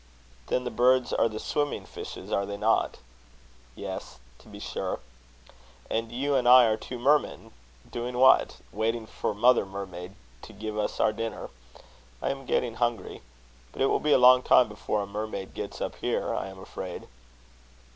"Then the birds are the swimming fishes, are they not?" "Yes, to be sure." "And you and I are two mermen doing what? Waiting for mother mermaid to give us our dinner. I am getting hungry. But it will be a long time before a mermaid gets up here, I am afraid."